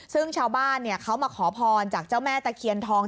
ซึ่งชาวบ้านเขามาขอพรจากเจ้าแม่ตะเคียนทอง